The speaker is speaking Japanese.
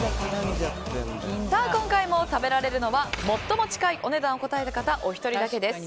今回も食べられるのは最も近いお値段を答えた方お一人だけです。